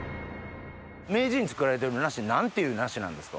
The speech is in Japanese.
名人作られてる梨何ていう梨なんですか？